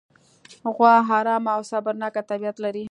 غوا ارامه او صبرناکه طبیعت لري.